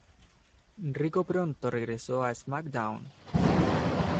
Rico pronto regresó a "SmackDown!